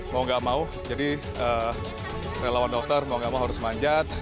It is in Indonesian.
mau gak mau jadi relawan dokter mau gak mau harus manjat